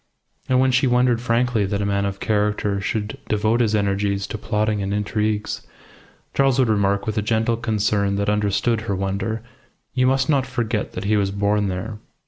And when she wondered frankly that a man of character should devote his energies to plotting and intrigues, Charles would remark, with a gentle concern that understood her wonder, "You must not forget that he was born there."